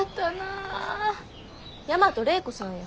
大和礼子さんや。